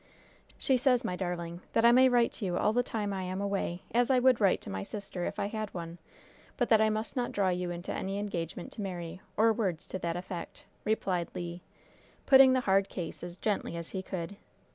"She says, my darling, that I may write to you all the time I am away, as I would write to my sister, if I had one; but that I must not draw you into any engagement to marry or words to that effect," replied Le, putting the hard case as gently as he could.